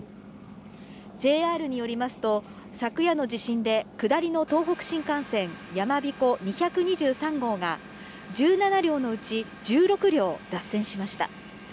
ＪＲによりますと、昨夜の地震で、下りの東北新幹線やまびこ２２３号が、１７両のうち１６両脱線しました。